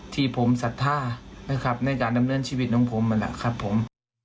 ที่ผมสัดท่าในการดำเนื่องชีวิตของผมแหละครับผม